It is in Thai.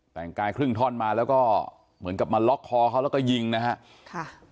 แต่งกายครึ่งท่อนมาแล้วก็เหมือนกับมาล็อกคอเขาแล้วก็ยิงนะฮะค่ะ